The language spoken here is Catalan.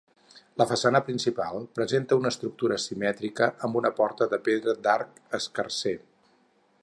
La façana principal presenta una estructura simètrica, amb una porta de pedra d'arc escarser.